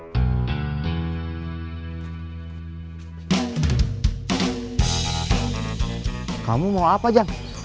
neng kamu mau apa jang